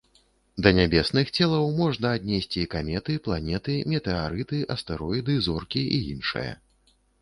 Да нябесных целаў можна аднесці каметы, планеты, метэарыты, астэроіды, зоркі і іншае.